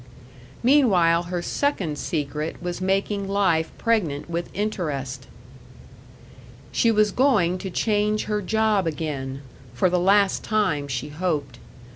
Meanwhile her second secret was making life pregnant with interest: She was going to change her job again for the last time she hoped.